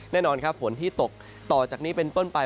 แน่นอนครับฝนที่ตกต่อจากนี้เป็นต้นไป